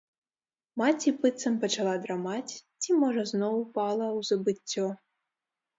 Маці быццам пачала драмаць ці, можа, зноў упала ў забыццё.